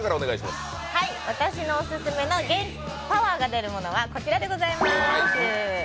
私のオススメのパワーが出るものはこちらでございます。